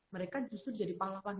mereka justru jadi pahlawan